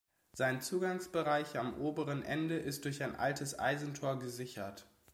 Sein Zugangsbereich am oberen Ende ist durch ein altes Eisentor gesichert.